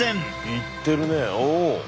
いってるねおお！